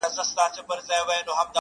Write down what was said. و تاته د جنت حوري غلمان مبارک ـ